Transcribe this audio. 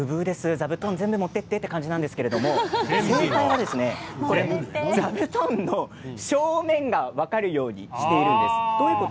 座布団全部持っていって！という感じなんですが座布団の正面が分かるようにしているんです。